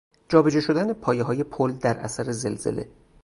جا به جا شدن پایههای پل در اثر زلزله